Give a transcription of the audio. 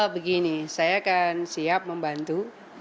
begini saya akan siap membantu